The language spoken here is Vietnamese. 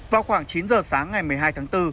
vào khoảng chín giờ sáng ngày một mươi hai tháng bốn